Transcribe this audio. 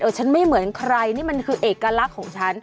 ฉันไม่เหมือนใครนี่มันคือเอกลักษณ์ของฉัน